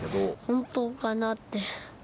本当かなって。